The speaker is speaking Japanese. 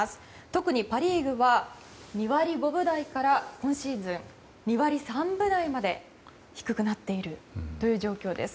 特にパ・リーグは２割５分台から今シーズン、２割３分台まで低くなっているという状況です。